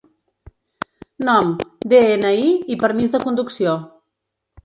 Nom, de-ena-i i permís de conducció.